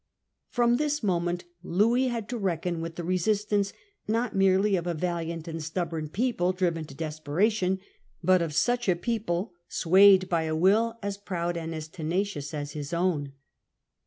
From this moment Louis had to reckon with the resistance, not merely of a valiant and stubborn people driven to desperation, but of such a 1672. Murder of the De Witts . 2 1 1 people swayed by a will as proud and as tenacious as his own.